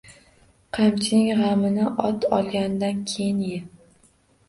Qamchining gʻamini ot olganingdan keyin ye